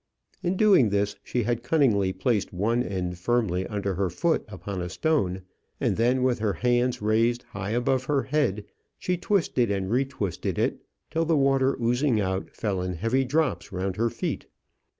In doing this she had cunningly placed one end firmly under her foot upon a stone, and then, with her hands raised high above her head, she twisted and retwisted it till the water oozing out fell in heavy drops round her feet.